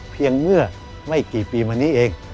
เมื่อไม่กี่ปีมานี้เอง